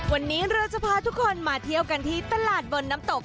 วันนี้เราจะพาทุกคนมาเที่ยวกันที่ตลาดบนน้ำตก